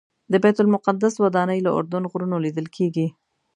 د بیت المقدس ودانۍ له اردن غرونو لیدل کېږي.